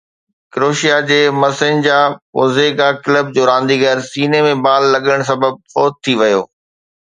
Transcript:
Croatia جي مرسينجا Pozega club جو رانديگر سيني ۾ بال لڳڻ سبب فوت ٿي ويو